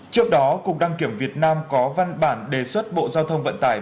trước đó cục đăng kiểm việt nam có văn bản đề xuất bộ giao thông vận tải